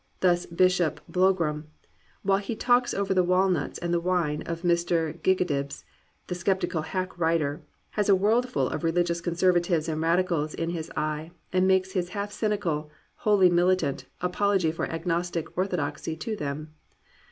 Thus Bishop Blougram while he talks over the walnuts and the wine to Mr. Gigadibs, the sceptical hack writer, has a worldful of religious conservatives and radicals in his eye and makes his half cynical, wholly mili tant, apology for agnostic orthodoxy to them.